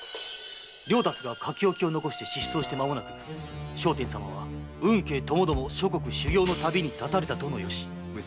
了達が書き置きを残して失踪して間もなく聖天様は運慶ともども諸国修行の旅に発たれたとの由。